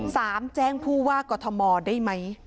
สามแจ้งผู้ว่ากธมได้ไหม